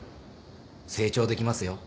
成長できますよ。